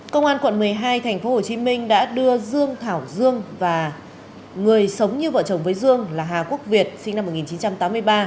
công an quận một mươi hai tp hcm đã đưa dương thảo dương và người sống như vợ chồng với dương là hà quốc việt sinh năm một nghìn chín trăm tám mươi ba